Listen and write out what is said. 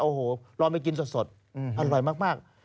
โอ้โหลองไปกินสดอร่อยมาก